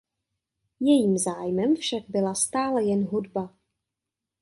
Jejím zájmem však byla stále jen hudba.